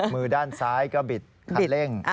มือด้านซ้ายก็บิดคันเร่ง